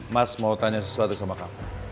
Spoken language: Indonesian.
mas mau tanya sesuatu sama kamu